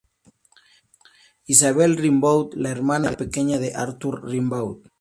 Isabelle Rimbaud: La hermana pequeña de Arthur Rimbaud.